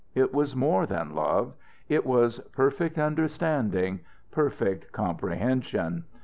It was more than love it was perfect understanding, perfect comprehension.